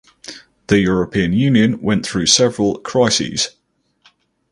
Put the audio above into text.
The European Union went through several crises.